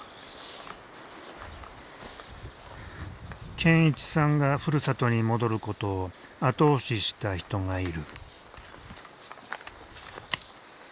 健一さんがふるさとに戻ることを後押しした人がいる。